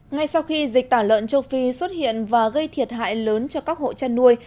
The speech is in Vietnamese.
ngay sau khi dịch tả lợn châu phi xuất hiện và gây thiệt hại lớn cho các hộ chăn nuôi